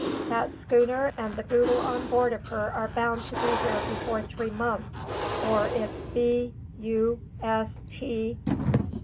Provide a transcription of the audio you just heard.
That schooner and the boodle on board of her are bound to be here before three months, or it's B. U. S.